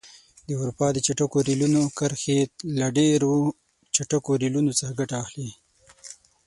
د اروپا د چټکو ریلونو کرښې له ډېرو چټکو ریلونو څخه ګټه اخلي.